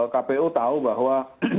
kpu tahu bahwa